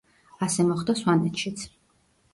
ასე მოხდა სვანეთშიც.